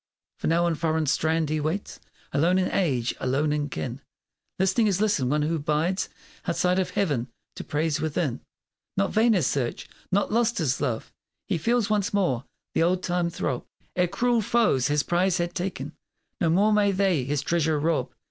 For now on foreign strand he waits Alone in age alone in kin, Listening as listens one who bides Outside of Heaven, to praise within. Not vain his search! not lost his love! He feels once more the old time throb Ere cruel foes his prize had ta'en; No more may they his treasure rob!